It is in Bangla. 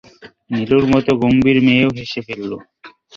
নীলুর মতো গম্ভীর মেয়েও হেসে ফেলল।